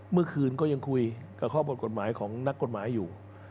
เมื่อคืนก็ยังคุยกับข้อบทกฎหมายของนักกฎหมายอยู่